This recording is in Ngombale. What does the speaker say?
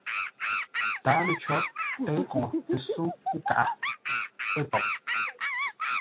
Tǎalo cǒ tə̌ʉ koŋə tə só nkaghʼə ə́ poʼ.